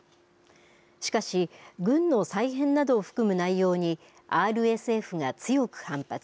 しかし、軍の再編などを含む内容にＲＳＦが強く反発。